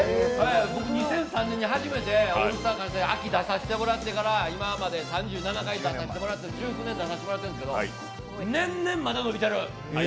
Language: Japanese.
２００３年に初めて「オールスター感謝祭秋」に出させていただいてから今まで３７回出させてもらって、１９年出させてもらってるんですけど年々、まだ伸びてる！